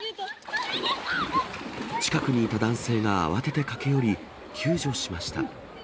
近くにいた男性が慌てて駆け寄り、救助しました。